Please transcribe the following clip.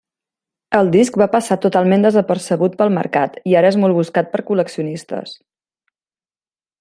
El disc va passar totalment desapercebut pel mercat, i ara és molt buscat per col·leccionistes.